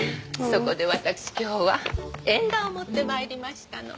そこでわたくし今日は縁談を持って参りましたの。